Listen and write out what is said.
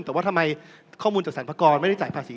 แต่ว่าทำไมข้อมูลจากสรรพากรไม่ได้จ่ายภาษี